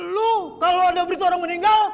lu kalau ada berita orang meninggal